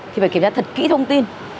thì phải kiểm tra thật kỹ thông tin